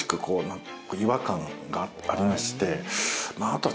こう何か違和感がありましてまあ